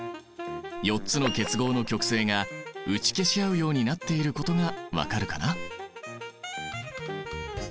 ４つの結合の極性が打ち消し合うようになっていることが分かるかな。